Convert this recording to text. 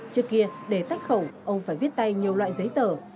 trước kia để tách khẩu ông phải viết tay nhiều loại giấy tờ